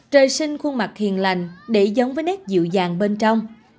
trời sinh khuôn mặt hiền lành để giống với nét dịu dàng bên trong